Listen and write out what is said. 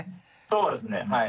そうですねはい。